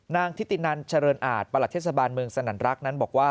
ทิตินันเจริญอาจประหลัดเทศบาลเมืองสนั่นรักนั้นบอกว่า